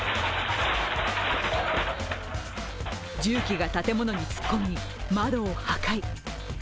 重機が建物に突っ込み、窓を破壊。